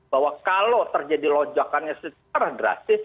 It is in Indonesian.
bahwa kalau terjadi lonjakan yang super drastis